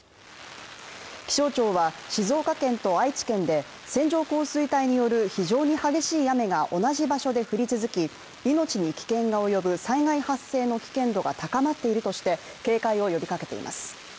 気象庁は静岡県と愛知県で線状降水帯による非常に激しい雨が同じ場所で降り続き、命に危険が及ぶ災害発生の危険度が高まっているとして警戒を呼びかけています。